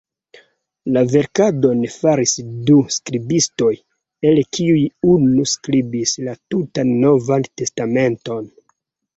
La verkadon faris du skribistoj, el kiuj unu skribis la tutan Novan Testamenton.